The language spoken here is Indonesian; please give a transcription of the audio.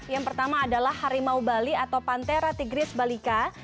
yang pertama adalah harimau bali atau pantera tigris balika